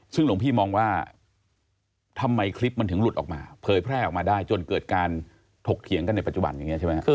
ซึ่งหลวงพี่มองว่าทำไมคลิปมันถึงหลุดออกมาเผยแพร่ออกมาได้จนเกิดการถกเถียงกันในปัจจุบันอย่างนี้ใช่ไหมครับ